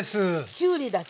きゅうりだけです。